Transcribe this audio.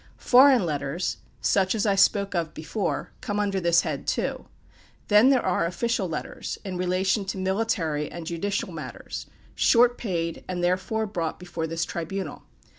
Foreign letters, such as I spoke of before, come under this head, too. Then there are official letters in relation to military and judicial matters short paid, and, therefore, brought before this tribunal.